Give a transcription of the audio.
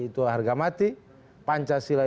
itu harga mati pancasila